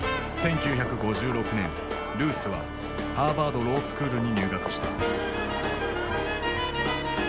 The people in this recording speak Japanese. １９５６年ルースはハーバード・ロースクールに入学した。